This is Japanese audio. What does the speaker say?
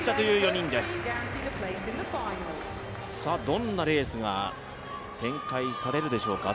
どんなレースが展開されるでしょうか。